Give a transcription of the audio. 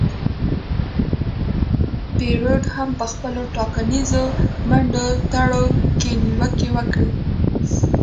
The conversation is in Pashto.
پېرون هم په خپلو ټاکنیزو منډو ترړو کې نیوکې وکړې.